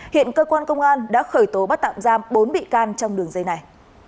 hiện cơ quan công an đã khởi tố bắt tạm giam bốn bị can trong đường dây này